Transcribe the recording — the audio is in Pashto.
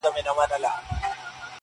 کلونه کيږي چي يې زه د راتلو لارې څارم~